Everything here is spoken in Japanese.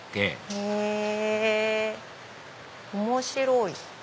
へぇ面白い。